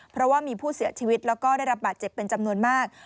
เพราะว่ามีผู้เสียชีวิตแล้วก็ได้รับบาดเจ็บเป็นจำนวนมาก